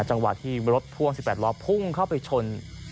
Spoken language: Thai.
จังหวะที่รถพ่วง๑๘ล้อพุ่งเข้าไปชน